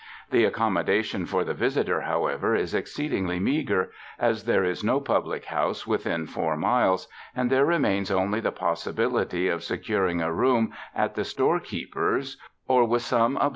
The accommoda tion for the visitor, however, is exceedingly meager, as there is no public house within four miles, and there remains only the possibility of securing a room at the storekeeper's or with some obliging 126 r^■f■:^^~f^^s:^ ■'3S<ij.